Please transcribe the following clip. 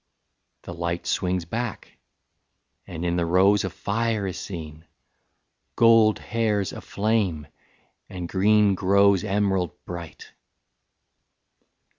The light Swings back, and in the rose a fire is seen, Gold hair's aflame and green grows emerald bright.